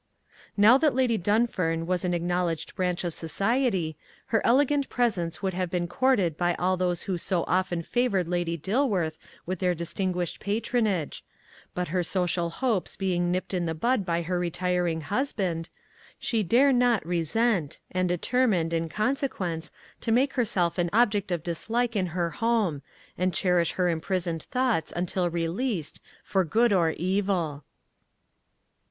Now that Lady Dunfern was an acknowledged branch of society, her elegant presence would have been courted by all those who so often favoured Lady Dilworth with their distinguished patronage, but her social hopes being nipped in the bud by her retiring husband, she dare not resent, and determined, in consequence, to make herself an object of dislike in her home, and cherish her imprisoned thoughts until released, for good or evil.